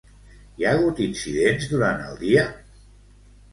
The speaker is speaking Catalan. Hi ha hagut incidents durant el dia?